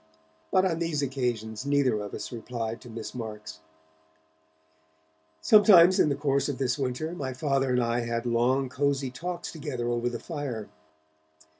But on these occasions neither of us replied to Miss Marks. Sometimes in the course of this winter, my Father and I had long cosy talks together over the fire.